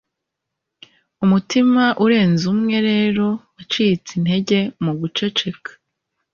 umutima urenze umwe rero wacitse intege muguceceka